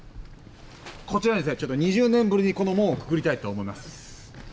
こちらにですね２０年ぶりにこの門をくぐりたいと思います。